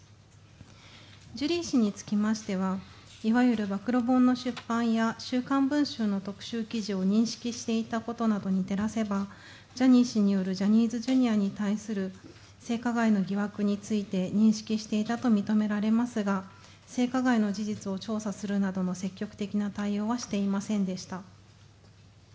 ジュリー氏につきましては、いわゆる暴露本の出版や「週刊文春」の記事を認識していたことに照らせば、ジャニー氏による、ジャニーズＪｒ．に対する性加害の疑惑について、認識していたと認められますが、性加害の事実を調査するなどの積極的な対応はしていませんでした。